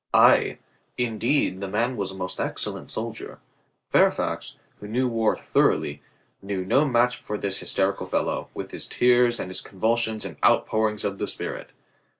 Ay, indeed, the man was a most excellent soldier. Fairfax, who knew war thoroughly, knew no match for this hysterical fellow, with his tears and his convulsions and outpourings of the spirit.